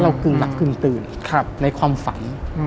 เรากึงหลักกึงตื่นในความฝัน